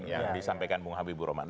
yang disampaikan bung habib ibu roman